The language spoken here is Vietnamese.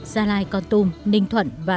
gia lai con tùm ninh thuận và